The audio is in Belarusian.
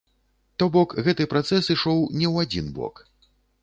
То бок гэты працэс ішоў не ў адзін бок.